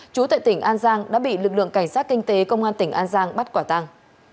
chú tại tỉnh an giang đã bị lực lượng cảnh sát kinh tế công an tỉnh an giang bắt quả tàng